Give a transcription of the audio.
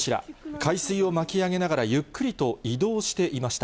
海水を巻き上げながらゆっくりと移動していました。